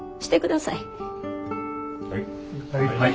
はい。